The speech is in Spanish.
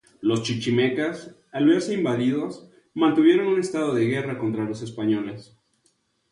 Los chichimecas, al verse invadidos, mantuvieron un estado de guerra contra los españoles.